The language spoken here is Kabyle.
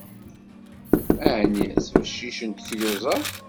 Ɛni ttbeccicent tyuzaḍ?